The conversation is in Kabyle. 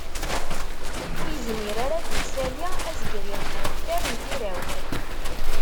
Ur yezmir ara ad d-isali azegrir n ukter n tirawt